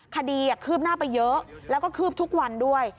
คดีคืบหน้าไปเยอะแล้วก็คืบทุกวันด้วย